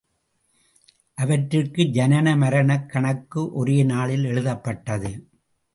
அவற்றிற்கு ஜனன மரணக் கணக்கு ஒரே நாளில் எழுதப்பட்டது.